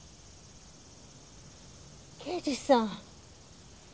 刑事さん。